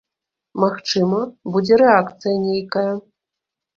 Магчыма, будзе рэакцыя нейкая.